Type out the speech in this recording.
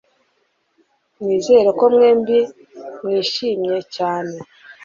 Nizere ko mwembi mwishimye cyane